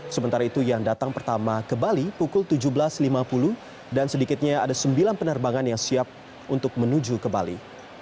sementara itu yang datang pertama ke bali pukul tujuh belas lima puluh dan sedikitnya ada sembilan penerbangan yang siap untuk menuju ke bali